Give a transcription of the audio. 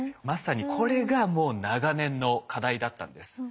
まさにこれがもう長年の課題だったんです。